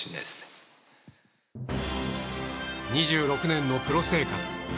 ２６年のプロ生活。